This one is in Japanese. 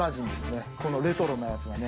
このレトロなヤツがね。